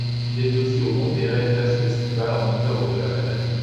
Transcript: Il est aussi au Monterey Jazz Festival en octobre de la même année.